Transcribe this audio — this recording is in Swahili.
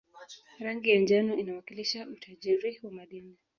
rangi ya njano inawakilisha utajiri wa madini